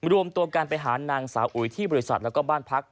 รวมตัวกันไปหานางสาวอุ๋ยที่บริษัทแล้วก็บ้านพัก